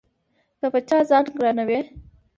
که په چا ځان ګران وي